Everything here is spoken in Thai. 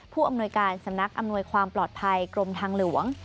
ผู้อำนวยการสำนักอำนวยความปลอดภัยกรมทางหลวง